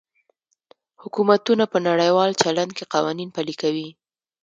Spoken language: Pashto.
حکومتونه په نړیوال چلند کې قوانین پلي کوي